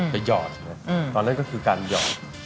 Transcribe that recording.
หยอดเลยตอนนั้นก็คือการหยอด